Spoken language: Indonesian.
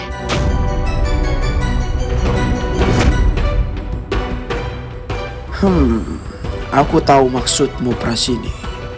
hmm aku tahu maksudmu prasidi